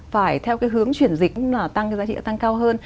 phải theo cái hướng chuyển dịch là tăng cái giá trị tăng cao hơn